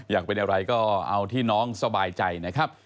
อยากเป็นอะไรก็เอาที่น้องสบายใจนะครับ